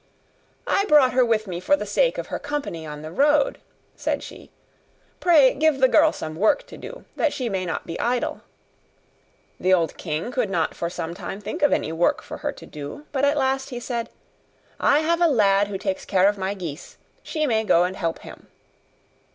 'I brought her with me for the sake of her company on the road,' said she; 'pray give the girl some work to do, that she may not be idle.' The old king could not for some time think of any work for her to do; but at last he said, 'I have a lad who takes care of my geese; she may go and help him.